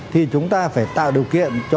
thì chúng ta phải tạo điều kiện cho